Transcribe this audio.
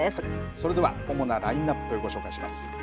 それでは主なラインナップ、ご紹介します。